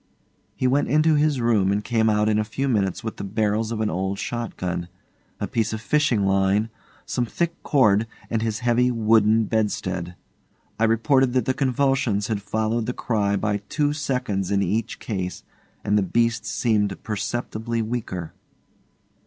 He went into his room and came out in a few minutes with the barrels of an old shot gun, a piece of fishing line, some thick cord, and his heavy wooden bedstead. I reported that the convulsions had followed the cry by two seconds in each case, and the beast seemed perceptibly weaker.